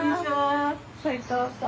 斉藤さん？